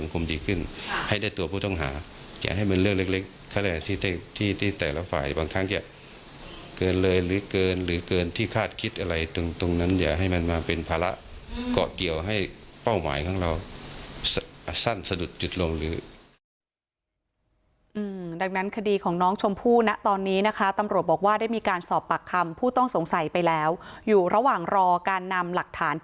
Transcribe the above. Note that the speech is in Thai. คมดีขึ้นให้ได้ตัวผู้ต้องหาอย่าให้มันเรื่องเล็กเล็กที่ที่แต่ละฝ่ายบางครั้งจะเกินเลยหรือเกินหรือเกินที่คาดคิดอะไรตรงตรงนั้นอย่าให้มันมาเป็นภาระเกาะเกี่ยวให้เป้าหมายของเราสั้นสะดุดหยุดลงหรืออืมดังนั้นคดีของน้องชมพู่นะตอนนี้นะคะตำรวจบอกว่าได้มีการสอบปากคำผู้ต้องสงสัยไปแล้วอยู่ระห